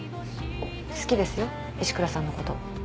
好きですよ石倉さんのこと。